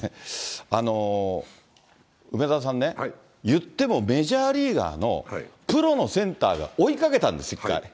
梅沢さんね、言ってもメジャーリーガーの、プロのセンターが追いかけたんです、１回。